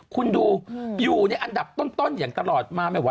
คุณดูอยู่ในอันดับต้นอย่างตลอดมาไม่ไหว